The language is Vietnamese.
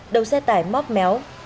đầu xe tải móc méo